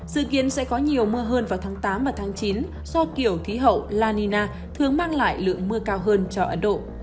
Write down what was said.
dự kiến sẽ có nhiều mưa hơn vào tháng tám và tháng chín do kiểu khí hậu la nina thường mang lại lượng mưa cao hơn cho ấn độ